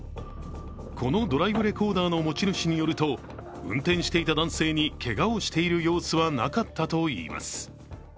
このドライブレコーダーの持ち主によると運転していた男性に、けがをしている様子はなかったといいます。